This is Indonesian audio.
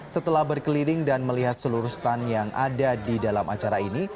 setelah berkeliling dan melihat seluruh stand yang ada di dalam acara ini